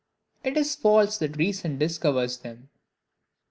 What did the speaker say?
It is false that Reason discovers them.